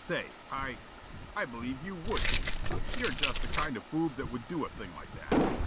"Say, I I believe you WOULD shoot. You're just the kind of boob that would do a thing like that."